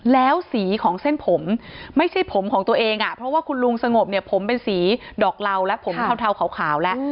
แล้วสีของเส้นผมไม่ใช่ผมของตัวเองอ่ะเพราะว่าคุณลุงสงบเนี่ยผมเป็นสีดอกเหล่าและผมเทาขาวแล้ว